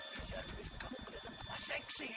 biar belikamu kelihatan lebih seksi